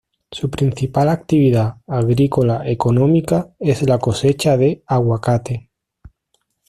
Su principal actividad agrícola económica es la cosecha de Aguacate.